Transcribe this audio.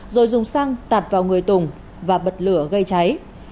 rồi dùng xăng tạt vào người tùng và bật lửa gây cháy